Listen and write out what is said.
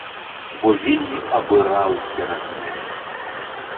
Бо вельмі абыраў цераз меру.